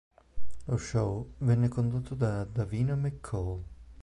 Lo show venne condotto da Davina McCall.